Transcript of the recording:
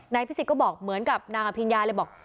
พิสิทธิก็บอกเหมือนกับนางอภิญญาเลยบอก